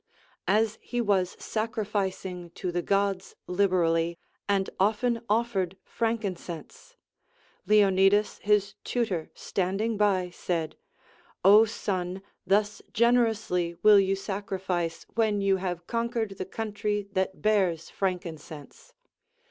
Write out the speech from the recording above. As he was sacri ficing to the Gods liberally, and often offered frankincense, Leonidas his tutor standing by said, Ο son, thus generously will you sacrifice, when you have conquered the country that bears frankincense.